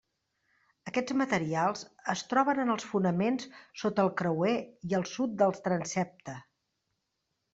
Aquests materials es troben en els fonaments sota el creuer i al sud del transsepte.